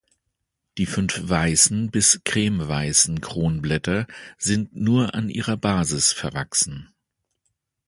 Die fünf weißen bis cremeweißen Kronblätter sind nur an ihrer Basis verwachsen.